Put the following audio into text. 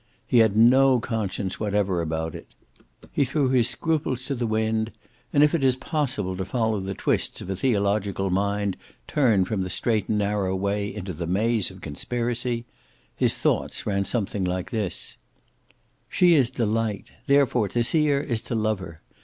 He had no conscience whatever about it. He threw his scruples to the wind, and if it is possible to follow the twists of a theological mind turned from the straight and narrow way into the maze of conspiracy, his thoughts ran something like this: "She is Delight. Therefore to see her is to love her.